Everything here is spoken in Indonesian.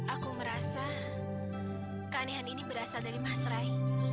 aku merasa keanehan ini berasal dari mas rai